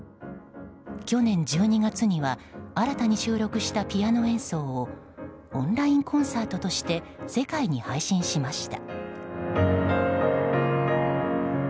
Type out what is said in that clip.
去年１２月には新たに収録したピアノ演奏をオンラインコンサートとして世界に配信しました。